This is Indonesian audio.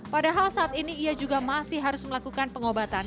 padahal saat ini ia juga masih harus melakukan pengobatan